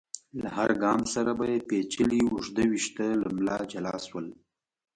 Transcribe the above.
له هر ګام سره به يې پيچلي اوږده ويښته له ملا جلا شول.